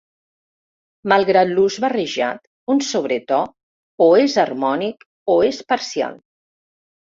Malgrat l'ús barrejat, un sobretò o és harmònic o és parcial.